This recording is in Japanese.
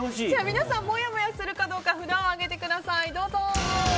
皆さん、もやもやするかどうか札を上げてください、どうぞ。